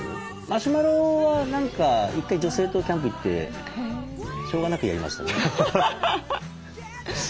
マシュマロは何か１回女性とキャンプ行ってしょうがなくやりましたね。